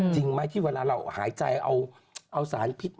จริงไหมที่เวลาเราหายใจเอาสารพิษ